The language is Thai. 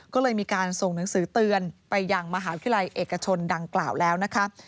ก็เลยมีการส่งหนังสือเตือนไปยังมหาวิทยาลัยเอกชนดังกล่าวแล้วนะคะ